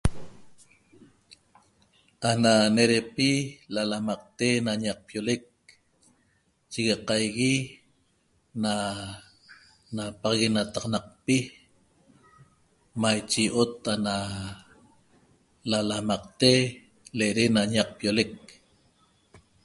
Ana nerepi lalamaqte na ñaqpiolec chigaqaigui na napaxaguenataxanacpi maiche io'ot ana lalamaqte lere na ñaqpiolec